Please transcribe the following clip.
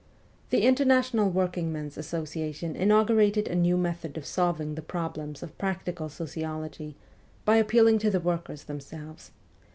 The International "Working Men's Association in augurated a new method of solving the problems of practical sociology by appealing to the workers them selves.